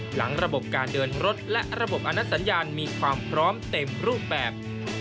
ระบบการเดินรถและระบบอนัดสัญญาณมีความพร้อมเต็มรูปแบบ